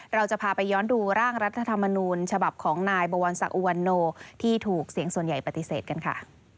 เราจะพาไปย้อนดูร่างรัฐธรรมนูญฉบับของนายบวรศักดิอุวันโนที่ถูกเสียงส่วนใหญ่ปฏิเสธกันค่ะ